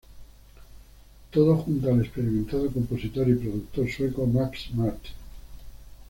Todo junto al experimentado compositor y productor sueco Max Martin.